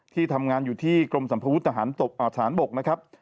ที่ทำงานอยู่ที่กรมสัมพวุทธ์ทหารบก